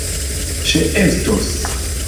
ĉeestos